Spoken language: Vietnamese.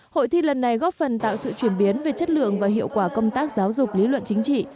hội thi lần này góp phần tạo sự chuyển biến về chất lượng và hiệu quả công tác giáo dục lý luận chính trị